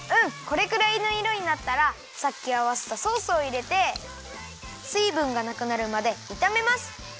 これくらいのいろになったらさっきあわせたソースをいれてすいぶんがなくなるまでいためます。